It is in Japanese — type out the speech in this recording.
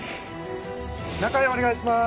中へお願いします